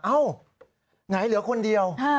ไหนเหลือคนเดียว